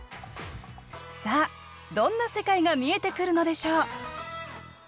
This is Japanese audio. さあどんな世界が見えてくるのでしょう